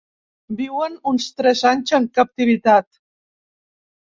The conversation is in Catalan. Viuen uns tres anys en captivitat.